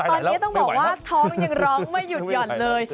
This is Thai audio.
ตอนนี้ต้องบอกว่าท้องยังร้องไม่หยุดหย่อนเลย